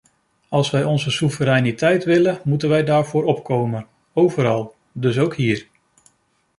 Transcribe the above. Als wij onze soevereiniteit willen, moeten wij daarvoor opkomen, overal, dus ook hier.